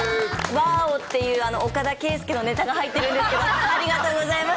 わーおっていう岡田圭右のネタが入ってるんですけど、ありがとうございます。